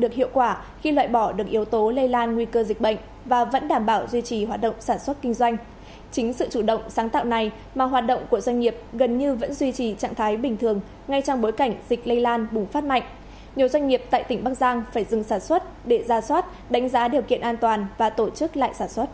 chỉ trạng thái bình thường ngay trong bối cảnh dịch lây lan bùng phát mạnh nhiều doanh nghiệp tại tỉnh bắc giang phải dừng sản xuất để ra soát đánh giá điều kiện an toàn và tổ chức lại sản xuất